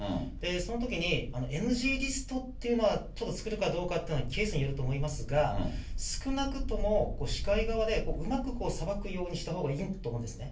そのときに、ＮＧリストっていうのは、ちょっと作るかどうかっていうのは、ケースによると思いますが、少なくとも、司会側で、うまくさばくようにしたほうがいいと思うんですね。